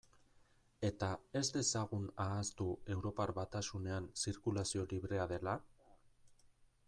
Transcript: Eta ez dezagun ahaztu Europar Batasunean zirkulazioa librea dela?